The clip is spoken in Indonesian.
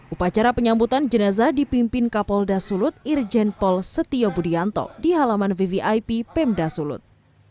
upacara penyambutan jenazah dipimpin kapol dasulut irjen pol setio budianto di halaman vvip pemdasulut